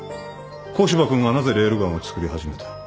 古芝君はなぜレールガンを作り始めた？